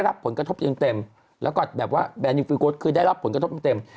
แล้วก็แบนิวฟิโกสคือได้รับผลกระทบเต็ม